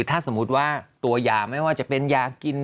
ถ้าสมมุติว่าตัวยาไม่ว่าจะเป็นยากิน